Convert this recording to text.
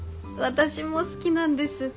私も好きなんです